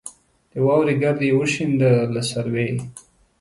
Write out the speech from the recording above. د واورې ګرد یې وشینده له سروې